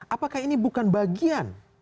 apakah ini bukan bagian